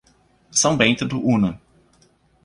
São Bento do Una